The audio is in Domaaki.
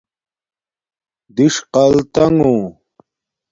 دِݽقال تنݣݹ